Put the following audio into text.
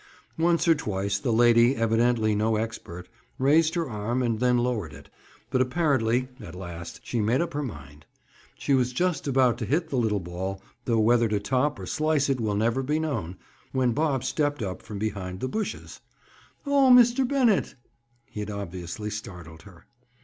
Once or twice the lady, evidently no expert, raised her arm and then lowered it. But apparently, at last, she made up her mind. She was just about to hit the little ball, though whether to top or slice it will never be known, when Bob stepped up from behind the bushes. "Oh, Mr. Bennett!" He had obviously startled her.